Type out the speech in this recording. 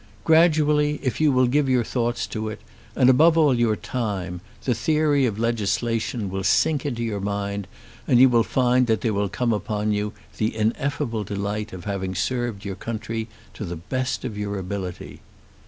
Gradually, if you will give your thoughts to it, and above all your time, the theory of legislation will sink into your mind, and you will find that there will come upon you the ineffable delight of having served your country to the best of your ability.